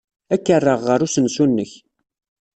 Ad k-rreɣ ɣer usensu-nnek.